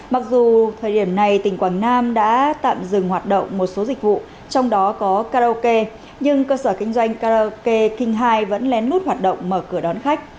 mặc dù thời điểm này tỉnh quảng nam đã tạm dừng hoạt động một số dịch vụ trong đó có karaoke nhưng cơ sở kinh doanh karaoke king hai vẫn lén lút hoạt động mở cửa đón khách